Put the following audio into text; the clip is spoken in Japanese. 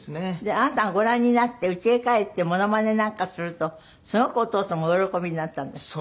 あなたがご覧になって家へ帰ってモノマネなんかするとすごくお父様お喜びになったんですって？